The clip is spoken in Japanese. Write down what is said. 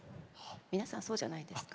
皆さんそうじゃないですか？